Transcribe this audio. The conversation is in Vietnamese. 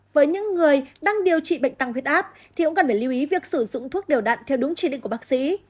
với những người đang điều trị bệnh tăng huyết áp thì cũng cần phải lưu ý việc sử dụng thuốc điều đạn theo đúng chỉ định của bác sĩ